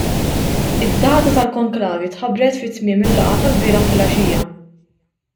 Id-data tal-Konklavi tħabbret fi tmiem il-laqgħa tal-bieraħ filgħaxija.